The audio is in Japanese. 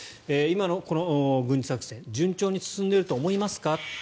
今の軍事作戦順調に進んでいると思いますか？